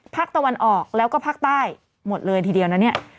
ภาคตะวันออกแล้วก็ภาคใต้หมดเลยทีเดียวนะเนี่ย